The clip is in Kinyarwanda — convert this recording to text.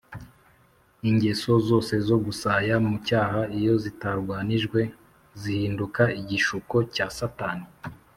ingeso zose zo gusaya mu cyaha iyo zitarwanijwe zihinduka igishuko cya satani,